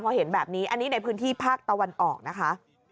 พอเห็นแบบนี้อันนี้ในพื้นที่ภาคตะวันออกนะคะ